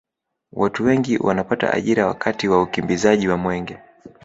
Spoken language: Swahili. watu wengi wanapata ajira wakati wa ukimbizaji wa mwenge